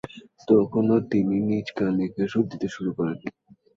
তখনও তিনি নিজে গান লিখে সুর দিতে শুরু করেননি।